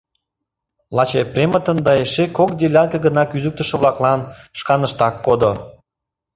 Лач Епреммытын да эше кок делянка гына кӱзыктышӧ-влаклан шканыштак кодо.